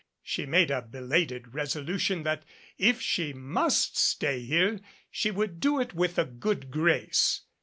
She made a belated resolution that, if she must stay here, she would do it with a good grace.